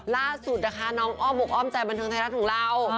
ล่าสุดนะคะน้องอ้อมอกอ้อมใจบันเทิงไทยรัฐของเรา